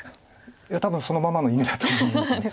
いや多分そのままの意味だと思います。